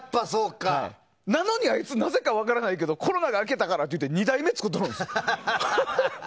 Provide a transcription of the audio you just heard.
なのに、あいつなぜか分からないけどコロナが明けたからって言って２台目作ったんです。